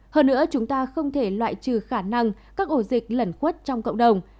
hơn nữa chúng ta không thể loại trừ khả năng các ổ dịch lẩn khuất trong cộng đồng